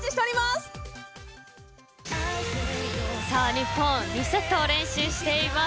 日本、２セット連取しています。